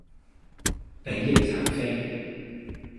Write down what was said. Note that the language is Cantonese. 比翼齊飛